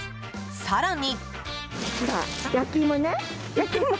更に。